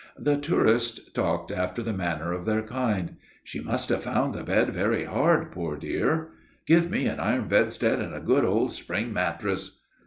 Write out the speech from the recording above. The tourists talked after the manner of their kind. "She must have found the bed very hard, poor dear." "Give me an iron bedstead and a good old spring mattress."